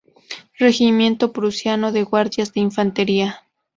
Regimiento prusiano de guardias de infantería.